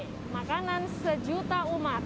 pecelele makanan sejuta umat